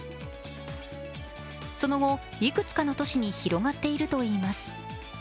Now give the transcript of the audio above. その後、いくつかの都市に広がっているといます。